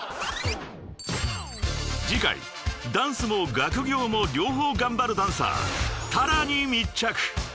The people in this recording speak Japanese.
［次回ダンスも学業も両方頑張るダンサーＴａｒａに密着］